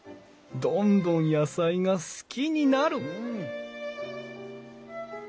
どんどん野菜が好きになる！